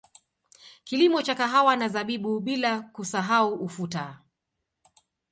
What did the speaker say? Kilimo cha kahawa na zabibu bila kusahau ufuta